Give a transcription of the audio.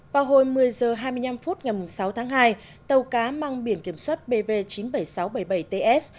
vào hồi một mươi h hai mươi năm phút ngày sáu tháng hai tàu cá mang biển kiểm soát bv chín mươi bảy nghìn sáu trăm bảy mươi bảy ts